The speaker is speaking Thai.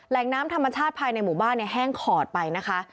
แหล่งน้ำธรรมชาติภายในหมู่บ้านแห้งขอดไปนะคะ